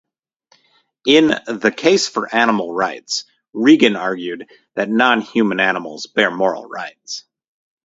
In "The Case for Animal Rights", Regan argued that non-human animals bear moral rights.